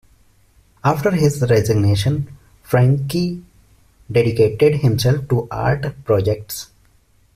After his resignation, Franqui dedicated himself to art projects.